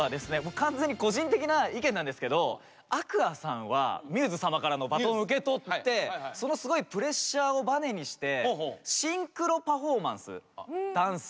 完全に個人的な意見なんですけどＡｑｏｕｒｓさんはμ’ｓ様からのバトン受け取ってそのすごいプレッシャーをバネにしてシンクロパフォーマンスダンス極めたグループだと思うんですよ。